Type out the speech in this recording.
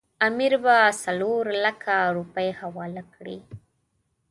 امیر به څلورلکه روپۍ حواله کړي.